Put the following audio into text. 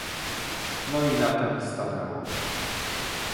"No i na tem stanęło."